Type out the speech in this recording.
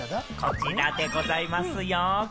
こちらでございますよ。